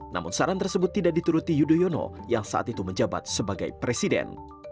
namun saran tersebut tidak dituruti yudhoyono yang saat itu menjabat sebagai presiden